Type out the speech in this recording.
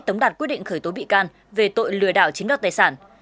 tống đạt quyết định khởi tố bị can về tội lừa đảo chiếm đoạt tài sản